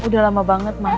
udah lama banget mama